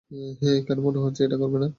কেন মনে হচ্ছে ও এটা করবে না?